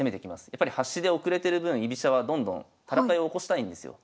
やっぱり端で遅れてる分居飛車はどんどん戦いを起こしたいんですよ。